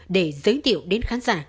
để giới thiệu đến khán giả